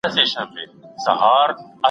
زه مړۍ خوړلي ده،